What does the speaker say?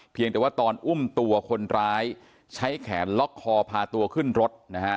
เพียงแต่ว่าตอนอุ้มตัวคนร้ายใช้แขนล็อกคอพาตัวขึ้นรถนะฮะ